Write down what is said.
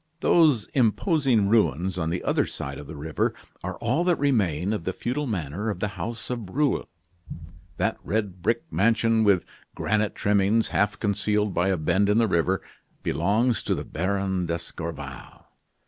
Those imposing ruins on the other side of the river are all that remain of the feudal manor of the house of Breulh. That red brick mansion, with granite trimmings, half concealed by a bend in the river, belongs to the Baron d'Escorval.